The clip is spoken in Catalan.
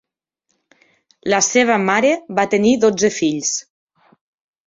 La seva mare va tenir dotze fills.